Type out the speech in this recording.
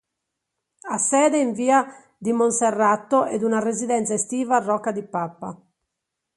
Ha sede in via di Monserrato ed una residenza estiva a Rocca di Papa.